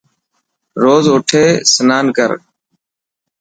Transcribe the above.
روز اوٺي سنان ڪر.